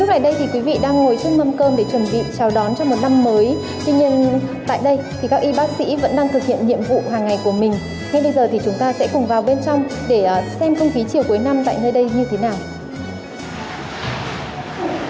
ngay bây giờ thì chúng ta sẽ cùng vào bên trong để xem công khí chiều cuối năm tại nơi đây như thế nào